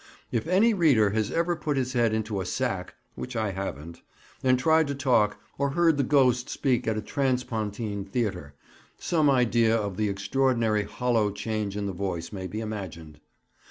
If any reader has ever put his head into a sack (which I haven't) and tried to talk, or heard the ghost speak at a transpontine theatre, some idea of the extraordinary hollow change in the voice may be imagined.